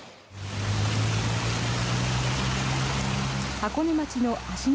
箱根町の芦ノ